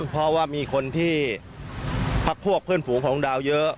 เพราะว่ามีคนที่พักพวกเพื่อนฝูงของดาวเยอะ